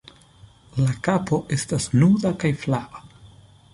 La kapo estas nuda kaj flava.